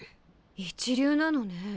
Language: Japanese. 一流なのね。